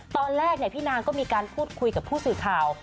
ตอนแรกพี่นางก็มีการพูดคุยกับผู้สื่อข่าว